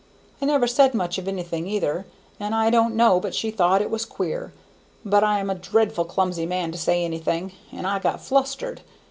I never said much of anything either, and I don't know but she thought it was queer, but I am a dreadful clumsy man to say anything, and I got flustered.